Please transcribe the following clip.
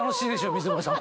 水森さん